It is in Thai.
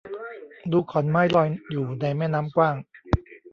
ดูขอนไม้ลอยอยู่ในแม่น้ำกว้าง